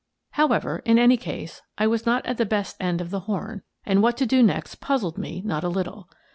How ever, in any case, I was not at the best end of the horn, and what to do next puzzled me not a little.